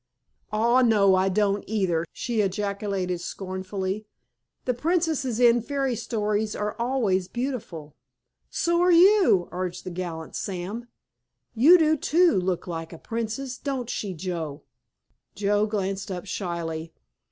"Aw, no I don't, either!" she ejaculated scornfully. "The princesses in fairy stories are always beautiful." "So're you," urged the gallant Sam. "You do, too, look like a princess, don't she, Joe?" Joe glanced up shyly.